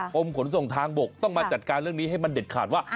กรมขนส่งทางบกต้องมาจัดการเรื่องนี้ให้มันเด็ดขาดว่า